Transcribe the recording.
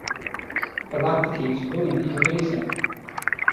Philoctetes willingly obeys him.